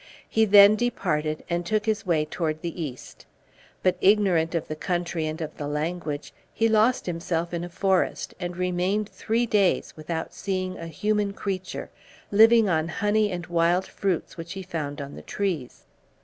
He then departed, and took his way toward the east. But, ignorant of the country and of the language, he lost himself in a forest, and remained three days without seeing a human creature, living on honey and wild fruits which he found on the trees.